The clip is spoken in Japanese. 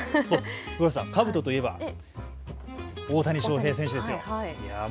上原さん、かぶとといえば、大谷翔平選手ですよ。